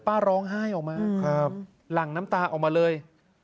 ร้องไห้ออกมาหลั่งน้ำตาออกมาเลย